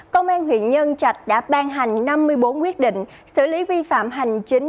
công an huyện nhân trạch đã ban hành năm mươi bốn quyết định xử lý vi phạm hành chính